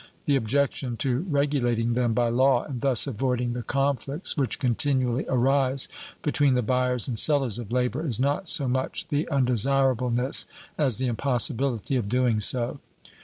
The objection to regulating them by law and thus avoiding the conflicts which continually arise between the buyers and sellers of labour, is not so much the undesirableness as the impossibility of doing so.